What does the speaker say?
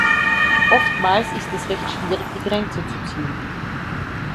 Oftmals ist es recht schwierig, die Grenze zu ziehen.